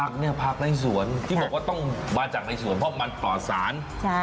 ผักในสวนที่บอกว่าต้องมาจากในสวนเพราะมันปลอดศาล